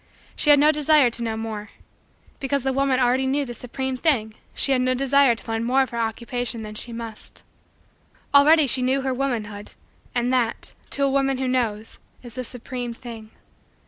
She had no desire to know more. Because the woman already knew the supreme thing, she had no desire to learn more of her Occupation than she must. Already she knew her womanhood, and that, to a woman who knows, is the supreme thing.